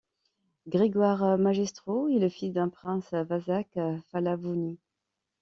Grégoire Magistros est le fils d'un prince Vasak Phalavouni.